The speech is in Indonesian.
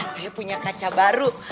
saya punya kaca baru